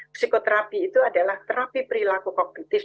psikoterapi itu adalah terapi perilaku kognitif